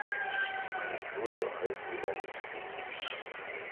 Man ist nur so alt, wie man sich fühlt.